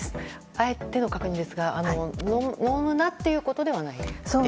あえての確認ですが飲むなということではないですよね。